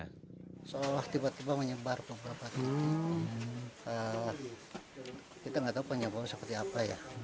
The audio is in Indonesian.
kita tidak tahu penyebabnya seperti apa ya